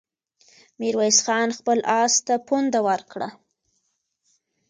ميرويس خان خپل آس ته پونده ورکړه.